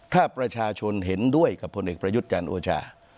ถ้าประชาชนเห็นด้วยกับผลเอกประยุทธ์จันทร์โอชา